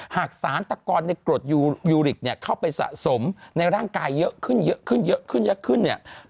หากสารตะกอนกรดยูริกเข้าไปสะสมในร่างกายเยอะขึ้นเนี่ย